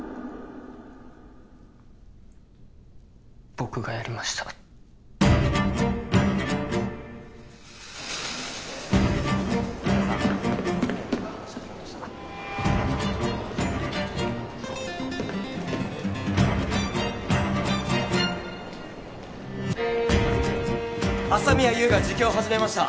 僕がやりました朝宮優が自供を始めました